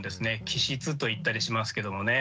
気質と言ったりしますけどもね。